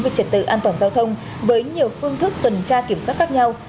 về trật tự an toàn giao thông với nhiều phương thức tuần tra kiểm soát khác nhau